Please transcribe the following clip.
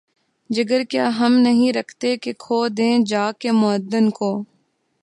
جگر کیا ہم نہیں رکھتے کہ‘ کھودیں جا کے معدن کو؟